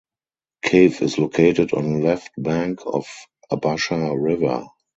Cave is located on left bank of Abasha river.